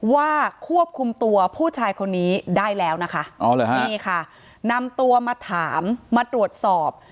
ว่าควบคุมตัวผู้ชายคนนี้ได้แล้วนะคะนี่ค่ะนำตัวมาถามมาตรวจสอบ